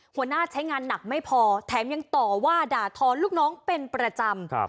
หัวหน้าใช้งานหนักไม่พอแถมยังต่อว่าด่าทอนลูกน้องเป็นประจำ